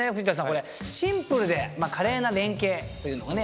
これシンプルで華麗な連係というのがね